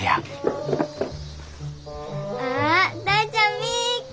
あっ大ちゃん見っけ！